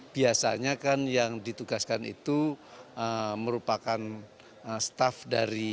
biasanya kan yang ditugaskan itu merupakan staff dari